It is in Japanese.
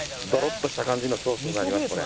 ドロッとした感じのソースになりますこれ。